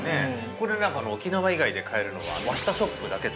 これ、なんか沖縄以外で買えるのはわしたショップだけと。